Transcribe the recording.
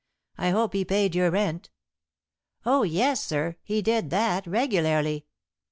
I hope he paid your rent." "Oh, yes, sir, he did that regularly."